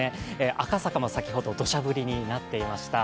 赤坂も先ほどどしゃ降りになっていました。